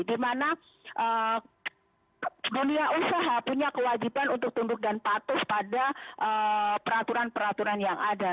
di mana dunia usaha punya kewajiban untuk tunduk dan patuh pada peraturan peraturan yang ada